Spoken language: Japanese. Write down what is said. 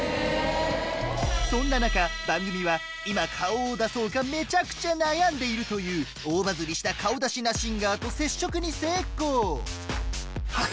そんな中番組は今顔を出そうかめちゃくちゃ悩んでいるという大バズりした顔出しナシンガーと接触に成功